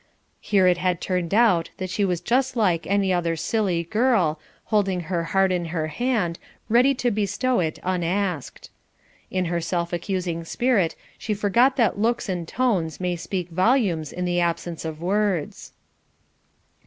Here it had turned out that she was just like any other silly girl, holding her heart in her hand, ready to bestow it unasked. In her self accusing spirit, she forgot that looks and tones may speak volumes in the absence of words.